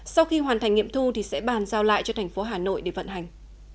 sau khi hoàn thành nghiệm thu thì sẽ bàn giao lại cho thành phố hà nội để vận hành